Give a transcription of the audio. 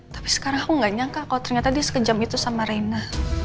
tapi sekarang aku nggak nyangka kalau ternyata dia sekejam itu sama reina